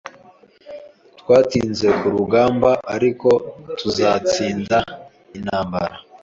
Twatsinzwe ku rugamba, ariko tuzatsinda intambara.